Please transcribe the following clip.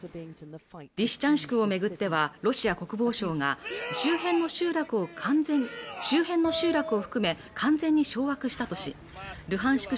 リシチャンシクをめぐってはロシア国防省が周辺の集落を完全周辺の集落を含め完全に掌握したとしルハンシク